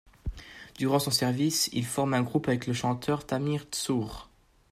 Durant son service, il forme un groupe avec le chanteur Tamir Tzur.